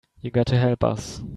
You got to help us.